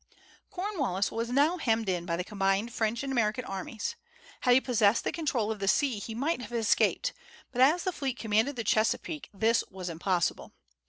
Cornwallis was now hemmed in by the combined French and American armies. Had he possessed the control of the sea he might have escaped, but as the fleet commanded the Chesapeake this was impossible.